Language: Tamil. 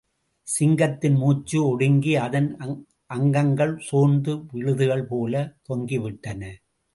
சிங்கத்தின் மூச்சு ஒடுங்கி, அதன் அங்கங்கள் சோர்ந்து, விழுதுகள் போல் தொங்கிவிட்டன!